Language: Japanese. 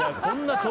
こんな